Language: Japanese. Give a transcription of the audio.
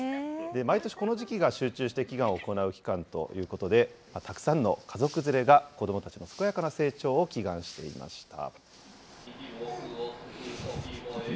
毎年この時期が集中して祈願を行う期間ということで、たくさんの家族連れが、子どもたちの健やかな成長を祈願していました。